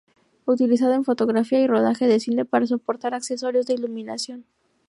Utilizado en fotografía y rodaje de cine para soportar accesorios de iluminación.